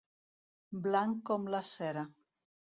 Blanc com la cera.